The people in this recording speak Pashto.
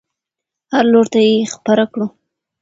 هر لور ته یې خپره کړو.